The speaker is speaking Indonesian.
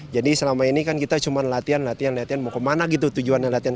jadi selama ini kan kita cuma latihan latihan mau kemana gitu tujuannya latihan